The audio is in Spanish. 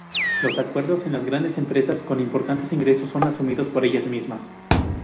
Los acuerdos en las grandes empresas, con importantes ingresos, son asumidos por ellas mismas.